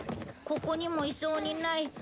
ここにも居そうにない。